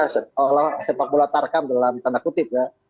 ya sepak bola tarkam dalam tanda kutip ya